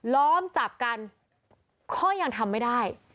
ล้อมจับกันก็ยังทำไม่ได้